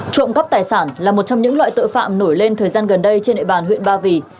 trộm cắp tài sản là một trong những loại tội phạm nổi lên thời gian gần đây trên địa bàn huyện ba vì